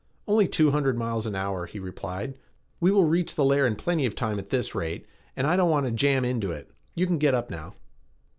"Only two hundred miles an hour," he replied. "We will reach the layer in plenty of time at this rate and I don't want to jam into it. You can get up now."